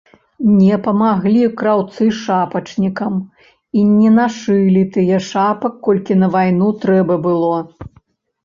Не памаглі краўцы шапачнікам і не нашылі тыя шапак, колькі на вайну трэба было.